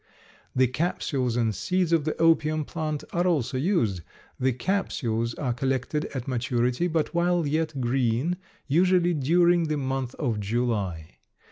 The capsules and seeds of the opium plant are also used. The capsules are collected at maturity, but while yet green, usually during the month of July.